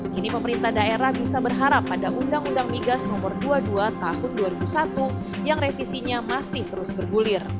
kini pemerintah daerah bisa berharap pada undang undang migas nomor dua puluh dua tahun dua ribu satu yang revisinya masih terus bergulir